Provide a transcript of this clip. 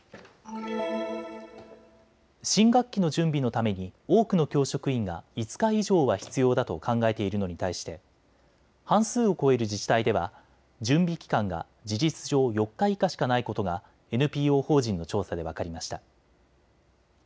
新学期の準備のために多くの教職員が５日以上は必要だと考えているのに対して半数を超える自治体では準備期間が事実上、４日以下しかないことがＮＰＯ法人の調査で分かりました。